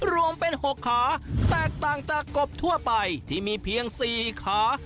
รวมเป็น๖ขาแตกต่างจากกบทั่วไปที่มีเพียง๔ขา